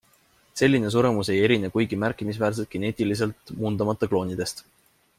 Selline suremus ei erine kuigi märkimisväärselt geneetiliselt muundamata kloonidest.